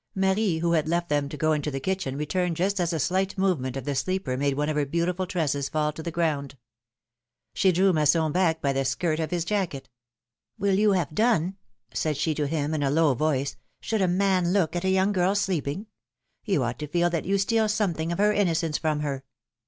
Marie, who had left them to go into the kitchen, returned just as a slight movement of the sleeper made one of her beautiful tresses fall to the ground. She drew Masson back by the skirt of his jacket. '^Will you have done?^^ said she to him, in a low voice ; should a man look at a young girl sleeping ? You ought to feel that you steal something of her innocence from her.